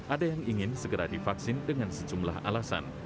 ada yang ingin segera divaksin dengan sejumlah alasan